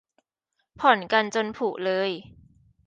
ผ่อนกันจนผุเลย